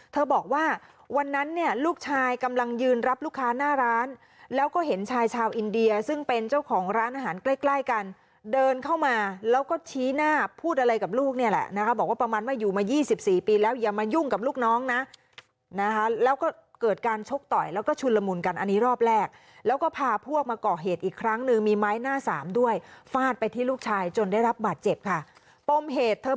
เธอบอกว่าวันนั้นเนี่ยลูกชายกำลังยืนรับลูกค้าหน้าร้านแล้วก็เห็นชายชาวอินเดียซึ่งเป็นเจ้าของร้านอาหารใกล้กันเดินเข้ามาแล้วก็ชี้หน้าพูดอะไรกับลูกเนี่ยแหละนะคะบอกว่าประมาณว่าอยู่มา๒๔ปีแล้วอย่ามายุ่งกับลูกน้องนะนะคะแล้วก็เกิดการชกต่อยแล้วก็ชุนละมุนกันอันนี้รอบแรกแล้วก็พาพวกมาเกาะเหต